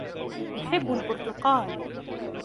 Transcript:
يحب البرتقال.